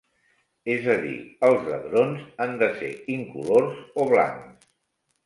És a dir, els hadrons han de ser "incolors" o "blancs".